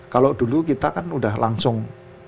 kalau dulu kita kan udah langsung